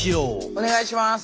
お願いします。